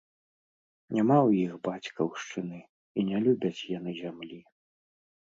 Няма ў іх бацькаўшчыны і не любяць яны зямлі.